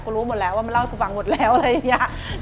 รู้หมดแล้วว่ามาเล่าให้กูฟังหมดแล้วอะไรอย่างนี้